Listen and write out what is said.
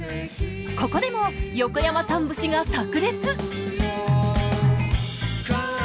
ここでも横山さん節がさく裂！